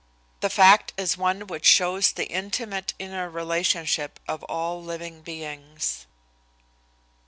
The fact is one which shows the intimate inner relationship of all living beings.